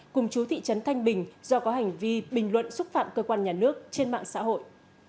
cùng chú thị trấn thanh bình do có hành vi bình luận xúc phạm cơ quan nhà nước trên mạng xã hội